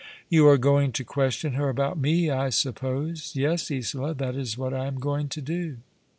" You are going to question her about me, I suppose ?" "Yes, Isola, that is what I am going to do."